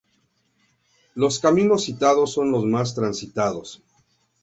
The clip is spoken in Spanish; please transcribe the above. Los caminos citados son los más transitados.